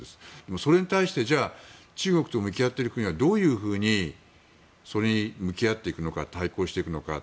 それに対して中国と向き合っている国はどういうふうにそれに向き合っていくのか対抗していくのか。